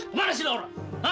hei kemana si laura